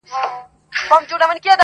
سبا به نه وي لکه نه وو زېږېدلی چنار!!